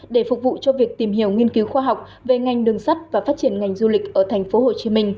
để phục vụ cho việc tìm hiểu nghiên cứu khoa học về ngành đường sắt và phát triển ngành du lịch ở tp hcm